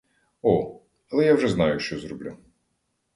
О, але я вже знаю, що зроблю.